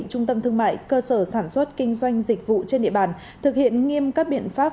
trung tâm thương mại cơ sở sản xuất kinh doanh dịch vụ trên địa bàn thực hiện nghiêm các biện pháp